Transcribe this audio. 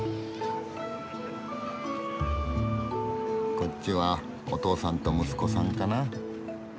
こっちはお父さんと息子さんかな。